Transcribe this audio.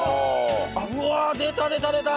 うわあ出た出た出た。